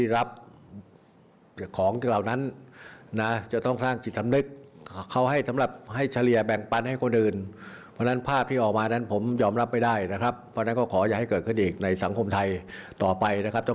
แล้วก็จะไม่มีคนไปบริจาค